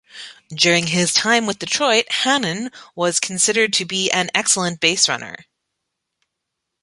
During his time with Detroit, Hanlon was considered to be an excellent base-runner.